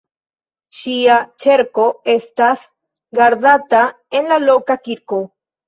Ŝia ĉerko estas gardata en la loka kirko.